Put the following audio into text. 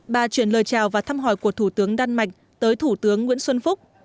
bà chuyển lời chào và thăm hỏi của thủ tướng đan mạch tới thủ tướng nguyễn xuân phúc